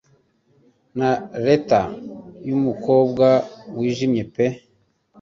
Na lithe yumukobwa wijimye pe